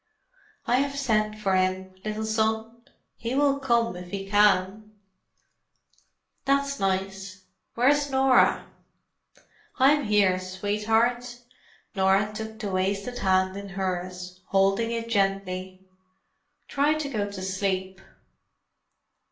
"I have sent for him, little son. He will come if he can." "That's nice. Where's Norah?" "I'm here, sweetheart." Norah took the wasted hand in hers, holding it gently. "Try to go to sleep."